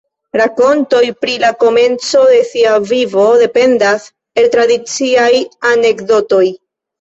Rakontoj pri la komenco de sia vivo dependas el tradiciaj anekdotoj.